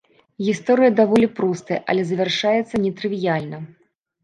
Гісторыя даволі простая, але завяршаецца нетрывіяльна.